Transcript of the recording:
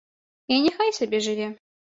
І няхай сабе жыве.